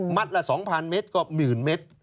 หมัดละ๒๐๐๐เมตรก็๑๐๐๐๐เมตร